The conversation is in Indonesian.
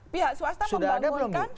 pihak swasta membangunkan